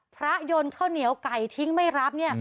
พระยนต์ข้าวเหนียวไก่ทิ้งไม่รับ